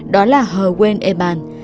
đó là hờ quên eban